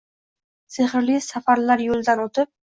Sehrli safarlar yo’lidan o’tib